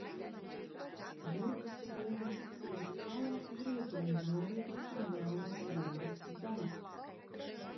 Burgasas līcis ir vistālāk uz rietumiem novietotā Melnās jūras daļa.